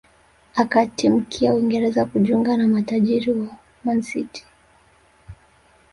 Akatimkia Uingereza kujiunga na matajiri wa Man City